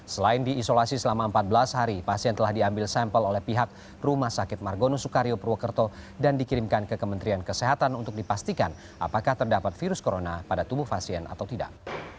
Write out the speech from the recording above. selain diisolasi selama empat belas hari pasien telah diambil sampel oleh pihak rumah sakit margono soekario purwokerto dan dikirimkan ke kementerian kesehatan untuk dipastikan apakah terdapat virus corona pada tubuh pasien atau tidak